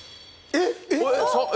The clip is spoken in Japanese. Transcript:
えっ！？